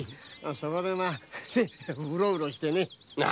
そこでウロウロしてね。